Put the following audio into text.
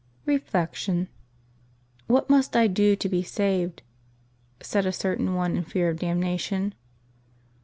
Reflection. — "What must I do to be saved?" said a certain one in fear of damnation.